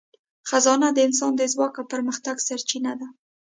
خزانه د انسان د ځواک او پرمختګ سرچینه ده.